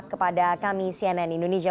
kepada kami cnn indonesia prime minister